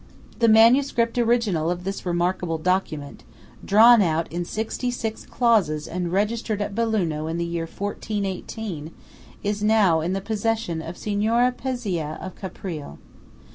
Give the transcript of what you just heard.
The MS. original of this remarkable document, drawn out in sixty six clauses and registered at Belluno in the year 1418, is now in the possession of Signora Pezzeá of Caprile.